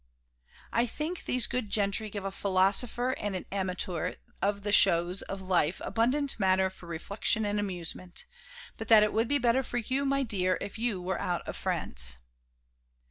"I think these good gentry give a philosopher and an amateur of the shows of life abundant matter for reflection and amusement; but that it would be better for you, my dear, if you were out of France."